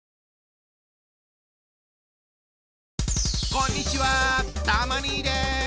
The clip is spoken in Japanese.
こんにちはたま兄です。